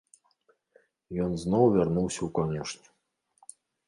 Ён зноў вярнуўся ў канюшню.